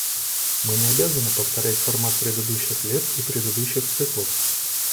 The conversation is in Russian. Мы не обязаны повторять формат предыдущих лет и предыдущих циклов.